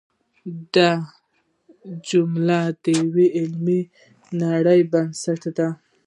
دا جملې د یوې علمي نړۍ بنسټ دی.